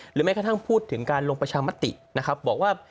หรือไม่กระทั่งพูดถึงการลงประชามตินะครับ